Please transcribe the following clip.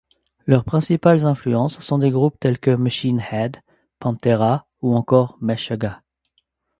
Leurs principales influences sont des groupes tels que Machine Head, Pantera ou encore Meshuggah.